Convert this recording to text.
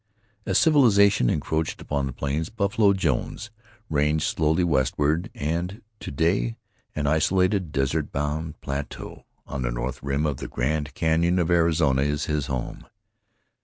As civilization encroached upon the plains Buffalo Jones ranged slowly westward; and to day an isolated desert bound plateau on the north rim of the Grand Canyon of Arizona is his home.